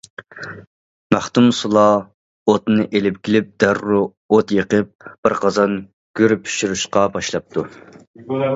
مەختۇمسۇلا ئوتنى ئېلىپ كېلىپ دەررۇ ئوت يېقىپ، بىر قازان گۈر پىشۇرۇشقا باشلاپتۇ.